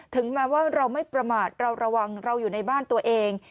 ถึงแม้ว่าเราไม่ประมาทเราระวังเราอยู่ในบ้านตัวเอง